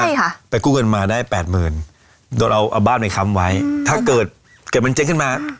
ใช่ค่ะไปกู้เงินมาได้แปดหมื่นโดนเอาบ้านไปค้ำไว้ถ้าเกิดเกิดมันเจ๊งขึ้นมา